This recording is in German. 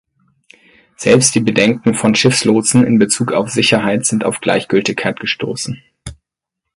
Selbst die Bedenken von Schiffslotsen in bezug auf Sicherheit sind auf Gleichgültigkeit gestoßen.